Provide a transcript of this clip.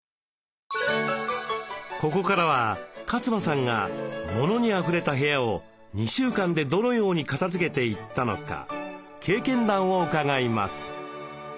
ここからは勝間さんがモノにあふれた部屋を２週間でどのように片づけていったのか経験談を伺います。